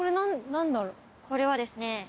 これはですね。